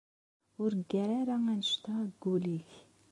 Ur ggar ara annect-a deg wul-ik.